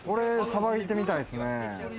さばいてみたいですね。